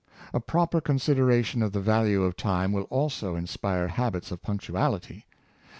A pro per consideration of the value of time will also inspire habits of punctuality.